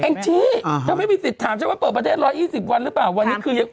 จี้เธอไม่มีสิทธิ์ถามฉันว่าเปิดประเทศ๑๒๐วันหรือเปล่าวันนี้คือยัง